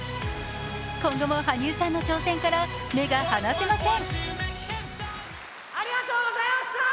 今後も羽生さんの挑戦から目が離せません。